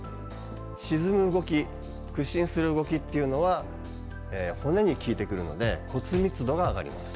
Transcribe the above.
沈む動き屈伸する動きというのは骨に効いてくるので骨密度が上がります。